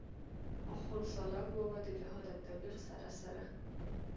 آخون سالاک بابا د جهاد او تبليغ سره سره